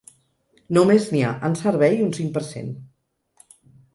Només n’hi ha en servei un cinc per cent.